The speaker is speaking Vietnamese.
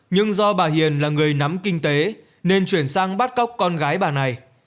nhưng do bà hiền là người nắm kinh tế nên chuyển sang bắt cóc con gái bà này